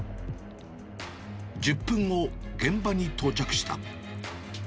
１０分後、現場に到着した。